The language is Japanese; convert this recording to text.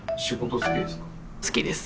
好きです。